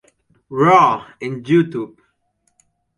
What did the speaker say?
Raw en YouTube.